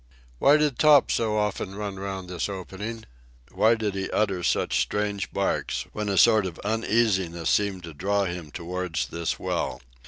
Why did Top so often run round this opening? Why did he utter such strange barks when a sort of uneasiness seemed to draw him towards this well?